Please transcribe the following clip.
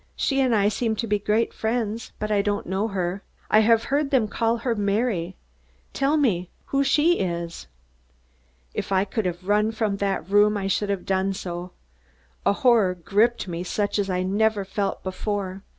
She and I seem to be great friends, but I don't know her, I have heard them call her Mary; tell me who she is!" If I could have run from the room I should have done so. A horror gripped me such as I never felt before.